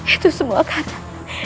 itu semua karena